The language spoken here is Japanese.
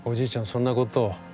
そんなことを。